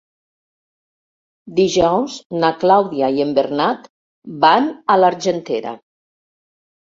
Dijous na Clàudia i en Bernat van a l'Argentera.